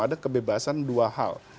ada kebebasan dua hal